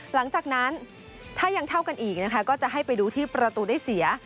หลังจากนั้นถ้ายังเท่ากันอีกนะคะก็จะให้ไปดูที่ประตูได้เสีย